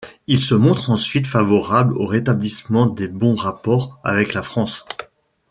Il se montre ensuite favorable au rétablissement des bons rapports avec la France.